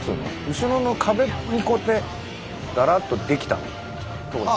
後ろの壁にこうやってだらっとできたの当時。